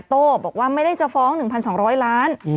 โต้บอกว่าไม่ได้จะฟ้อง๑๒๐๐ล้าน